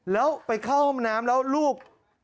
แล้วไปเข้าห้องน้ำแล้วลูก